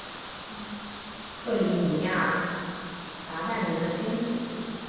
克里米亚鞑靼人的先祖？